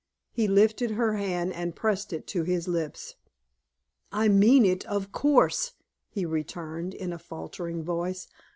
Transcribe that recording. He lifted her hand and pressed it to his lips. "I mean it, of course," he returned, in a faltering voice.